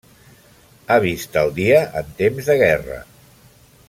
Ha vist el dia en temps de guerra.